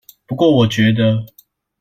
不過我覺得